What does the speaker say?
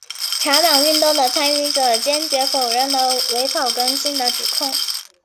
茶党运动的参与者坚决否认了伪草根性的指控。